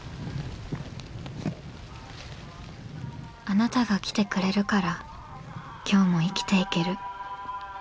あなたが来てくれるから今日も生きていける。